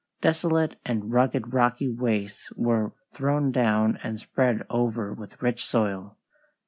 Desolate and rugged rocky wastes were thrown down and spread over with rich soil."